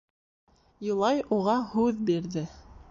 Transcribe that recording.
Юлай уға һүҙ бирҙе.